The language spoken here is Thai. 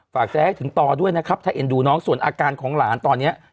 แซะให้ถึงต่อด้วยนะครับถ้าเอ็นดูน้องส่วนอาการของหลานตอนนี้